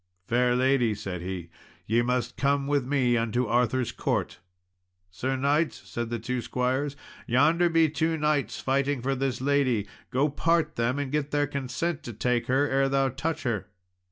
"Fair lady," said he, "ye must come with me unto Arthur's court." "Sir knight," said the two squires, "yonder be two knights fighting for this lady; go part them, and get their consent to take her, ere thou touch her."